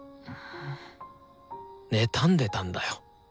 妬んでたんだよ。